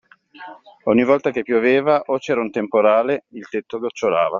Ogni volta che pioveva o c'era un temporale, il tetto gocciolava.